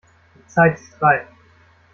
Die Zeit ist reif!